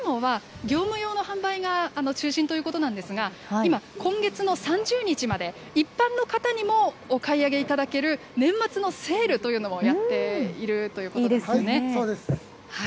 こちら、いつもは業務用の販売が中心ということなんですが、今、今月の３０日まで、一般の方にもお買い上げいただける年末のセールというのもやっているということですね。